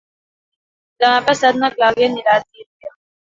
Demà passat na Clàudia anirà a Tírvia.